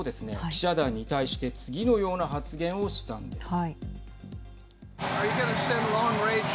記者団に対して次のような発言をしたんです。